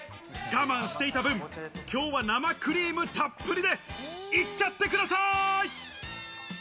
我慢していた分、今日は生クリームたっぷりで行っちゃってください。